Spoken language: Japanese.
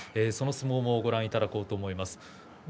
その相撲をご覧いただこうと思います。